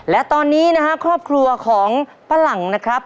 และตอนนี้ครอบครัวของประหล่างนะครับ